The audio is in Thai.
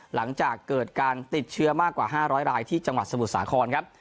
หลังจากเกิดการติดเชื้อมากกว่า๕๐๐รายที่จังหวัดสมุทรสาครครับ